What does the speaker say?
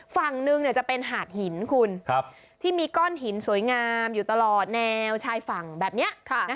ฝั่งหนึ่งจะเป็นหาดหินคุณที่มีก้อนหินสวยงามอยู่ตลอดแนวชายฝั่งแบบนี้